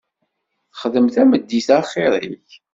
Xdem tameddit-a axir-ik.